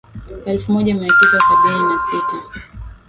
Elfu moja mia tisa sabini na sita